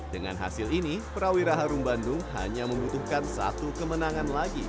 dengan hasil ini prawira harum bandung hanya membutuhkan satu kemenangan lagi